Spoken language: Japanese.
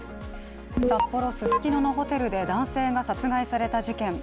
札幌・ススキノのホテルで男性が殺害された事件。